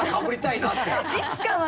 いつかは。